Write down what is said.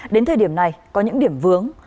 đến thời điểm này có những điểm vướng